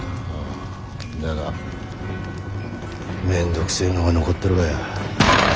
だがめんどくせえのが残っとるがや。